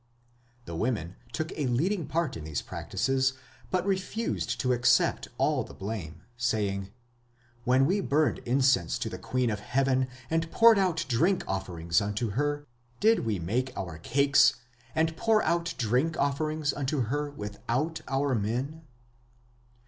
The women took a leading part in these practices, but refused to accept all the blame, saying, "When we burned incense to the queen of heaven, and poured out drink offerings unto her, did we make our cakes and pour out drink offerings unto her without our men?"